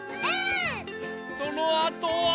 そのあとは。